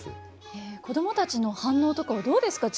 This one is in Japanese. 子供たちの反応とかはどうですか？